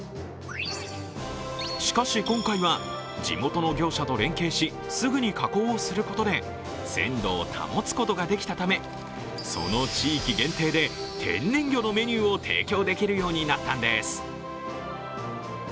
しかし、今回は地元の業者と連携しすぐに加工をすることで鮮度を保つことができたため、その地域限定で天然魚のメニューを提供できるようになったんです。